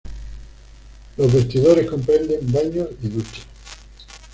Los vestidores comprenden baños y duchas.